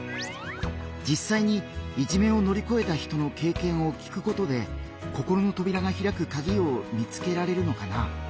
じっさいにいじめを乗り越えた人の経験を聞くことで心のとびらがひらくカギを見つけられるのかな？